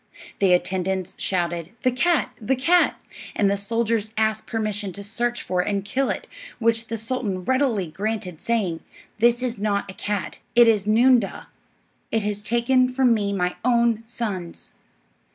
The attendants shouted, "The cat! the cat!" and the soldiers asked permission to search for and kill it, which the sultan readily granted, saying: "This is not a cat, it is a noon'dah. It has taken from me my own sons."